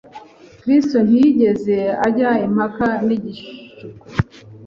Kristo ntiyigeze ajya impaka n’igishuko.